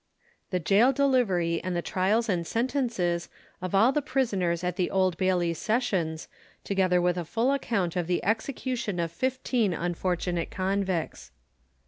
THE GAOL DELIVERY, AND THE TRIALS AND SENTENCES OF ALL THE PRISONERS AT THE OLD BAILEY SESSIONS, TOGETHER WITH A FULL ACCOUNT OF THE EXECUTION OF FIFTEEN UNFORTUNATE CONVICTS.